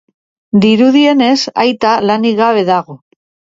Dirudienez, aita lanik gabe dago.